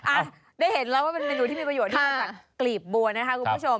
อ่ะได้เห็นแล้วว่าเป็นเมนูที่มีประโยชน์ที่มาจากกลีบบัวนะคะคุณผู้ชม